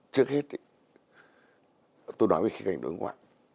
trước hết tôi nói với khách hàng đối ngoại